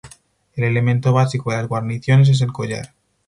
El elemento básico de las guarniciones es el collar.